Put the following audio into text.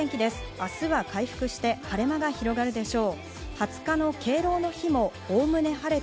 明日は回復して晴れ間が広がるでしょう。